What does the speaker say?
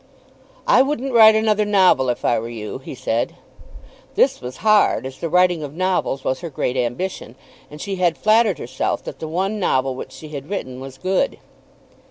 "I wouldn't write another novel if I were you," he said. This was hard, as the writing of novels was her great ambition, and she had flattered herself that the one novel which she had written was good.